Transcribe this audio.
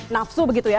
nafsu begitu ya